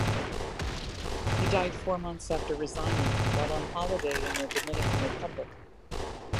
He died four months after resigning, while on holiday in the Dominican Republic.